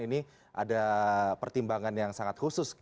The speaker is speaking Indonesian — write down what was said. ini ada pertimbangan yang sangat khusus